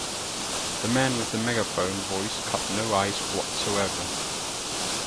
The man with the megaphone voice cut no ice whatsoever.